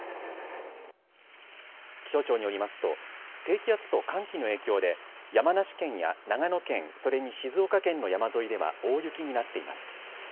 気象庁によりますと低気圧と寒気の影響で山梨県や長野県、それに静岡県の山沿いでは大雪になっています。